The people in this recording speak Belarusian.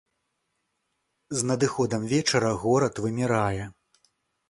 З надыходам вечара горад вымірае.